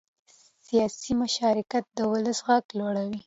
سیاسي مشارکت د ولس غږ لوړوي